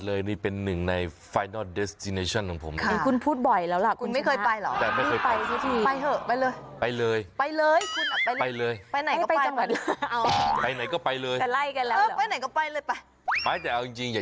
ชวนเพื่อนไปด้วยอย่าไปคนเดียวเหงา